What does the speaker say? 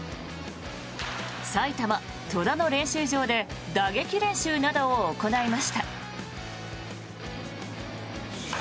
埼玉・戸田の練習場で打撃練習などを行いました。